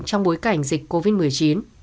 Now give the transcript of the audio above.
trong bối cảnh dịch covid một mươi chín